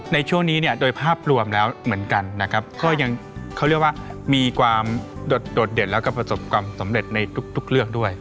ในช่วงนี้เนี่ยโดยภาพรวมแล้วเหมือนกันนะครับก็ยังเขาเรียกว่ามีความโดดเด่นแล้วก็ประสบความสำเร็จในทุกเรื่องด้วย